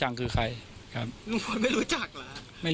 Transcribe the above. แล้วอันนี้ก็เปิดแล้ว